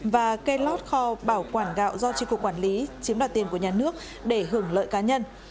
và kê lót kho bảo quản gạo do tri cục quản lý chiếm đoạt tiền của nhà nước để hưởng lợi cá nhân